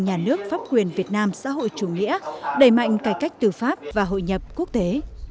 nhà nước pháp quyền việt nam xã hội chủ nghĩa đẩy mạnh cải cách tư pháp và hội nhập quốc tế